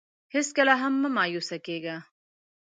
هېڅکله هم مه مایوسه کېږه.